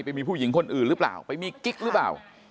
ไปมีผู้หญิงคนอื่นหรือเปล่าไปมีกิ๊กหรือเปล่า